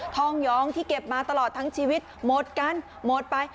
ยองที่เก็บมาตลอดทั้งชีวิตหมดกันหมดไป